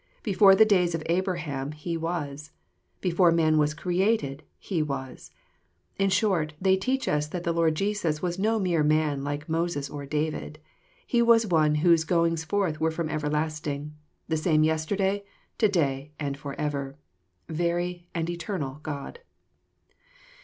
Before the days of Abraham He was. Before man was created He was. In short, they teach us that the Lord Jesus was no mere man like Moses or David. He was One whose goings forth were from everlasting, — the same yesterday, to day, and forever, — very and eternal God.